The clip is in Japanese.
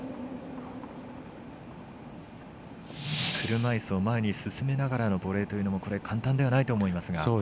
車いすを前に進めながらのボレーというのもこれ、簡単ではないと思いますが。